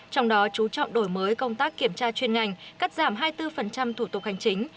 trong đó chú trọng đổi mới công tác kiểm tra chuyên ngành cắt giảm hai mươi bốn thủ tục hành chính